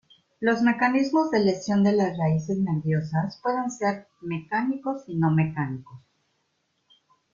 Los mecanismos de lesión de las raíces nerviosas pueden ser, mecánicos y no mecánicos.